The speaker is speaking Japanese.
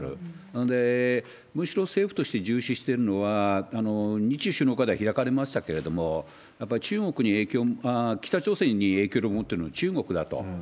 なので、むしろ政府として重視しているのは、日中首脳会合でも言われましたけれども、やっぱり中国に影響、北朝鮮に影響を持ってるのは中国だと。